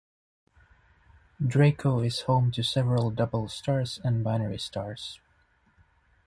Draco is home to several double stars and binary stars.